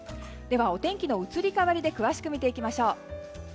ではお天気の移り変わりで詳しく見ていきましょう。